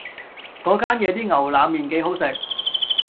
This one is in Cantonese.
嗰間嘢啲牛腩麵幾好食